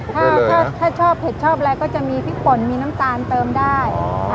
คลุกได้เลยนะถ้าถ้าชอบเผ็ดชอบอะไรก็จะมีพริกป่นมีน้ำตาลเติมได้อ๋อ